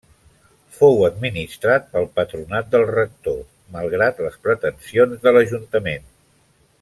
Fou administrat pel patronat del rector, malgrat les pretensions de l'Ajuntament.